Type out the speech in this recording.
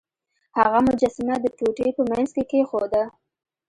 هغه مجسمه د ټوټې په مینځ کې کیښوده.